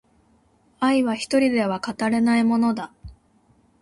愛は一人では語れないものだ